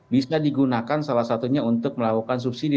bisa digunakan salah satunya untuk melakukan subsidi